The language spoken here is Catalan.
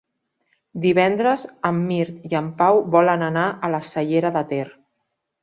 Divendres en Mirt i en Pau volen anar a la Cellera de Ter.